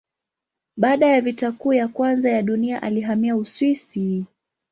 Baada ya Vita Kuu ya Kwanza ya Dunia alihamia Uswisi.